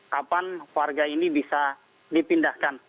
kapan warga ini bisa dipindahkan